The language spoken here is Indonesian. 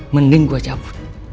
mending gue cabut